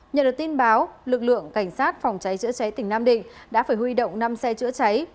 nhờ được tin báo lực lượng cảnh sát phòng cháy chữa cháy tỉnh nam định đã phải huy động năm xe chữa cháy